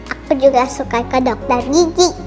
aku juga suka ke dokter gigi